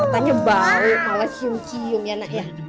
apanya bau kawasium cium ya nak ya